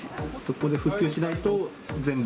ここで復旧しないと、全部。